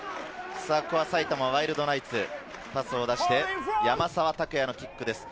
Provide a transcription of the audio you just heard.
埼玉ワイルドナイツ、パスを出して、山沢拓也のキックです。